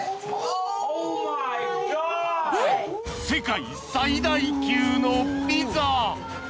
［世界最大級のピザ］